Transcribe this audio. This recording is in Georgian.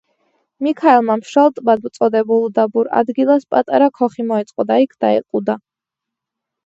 მიქაელმა მშრალ ტბად წოდებულ უდაბურ ადგილას პატარა ქოხი მოიწყო და იქ დაეყუდა.